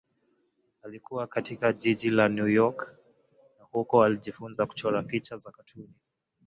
Alikua katika jiji la New York na huko alijifunza kuchora picha za katuni.